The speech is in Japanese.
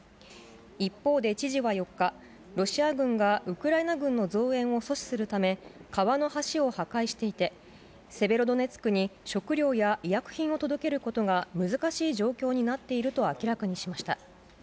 一方で知事は４日、ロシア軍がウクライナ軍の増援を阻止するため、川の橋を破壊していて、セベロドネツクに食料や医薬品を届けることが難しい状況になっていると明らかにしました。